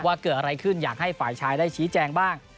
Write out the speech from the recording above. ว่าเกิดอะไรขึ้นอยากให้ฝ่ายชายได้ชี้แจงบ้าง